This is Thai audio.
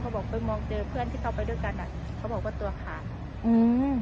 บอกไปมองเจอเพื่อนที่เขาไปด้วยกันอ่ะเขาบอกว่าตัวขาดอืม